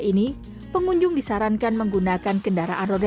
ini pengunjung disarankan menggunakan kendaraan roda